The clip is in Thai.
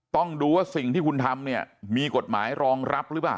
ต้องดูว่าสิ่งที่คุณทำเนี่ยมีกฎหมายรองรับหรือเปล่า